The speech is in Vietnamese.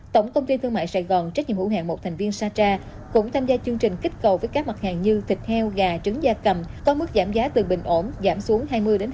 tổng công ty thương mại sài gòn trách nhiệm hữu hạng một thành viên sacha cũng tham gia chương trình kích cầu với các mặt hàng như thịt heo gà trứng da cầm có mức giảm giá từ bình ổn giảm xuống hai mươi hai mươi